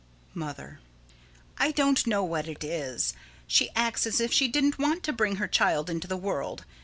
Mother: I don't know what it is. She acts as if she didn't want to bring her child into the world.